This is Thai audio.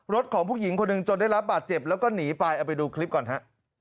ของผู้หญิงคนหนึ่งจนได้รับบาดเจ็บแล้วก็หนีไปเอาไปดูคลิปก่อนฮะ